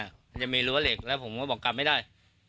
มันจะมีรั้วเหล็กแล้วผมก็บอกกลับไม่ได้